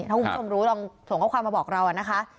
ถ้าคุณผู้ชมรู้ลองส่งข้อความมาบอกเรานะคะ